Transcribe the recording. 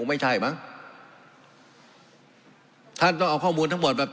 ไม่ใช่ไม่รู้